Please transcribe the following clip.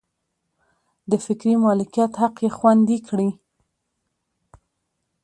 د فکري مالکیت حق یې خوندي کړي.